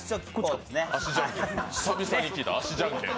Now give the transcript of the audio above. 久々に聞いた足じゃんけん。